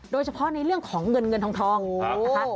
โดยเฉพาะในเรื่องของเงินเงินทองนะคะ